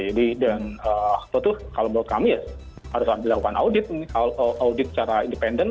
jadi dan tentu kalau menurut kami ya harus dilakukan audit audit secara independen